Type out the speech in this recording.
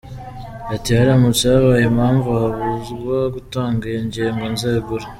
Ati “Haramutse habaye impamvu nkabuzwa gutanga iyo ngingo, nzegura.”